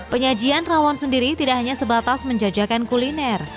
penyajian rawon sendiri tidak hanya sebatas menjajakan kuliner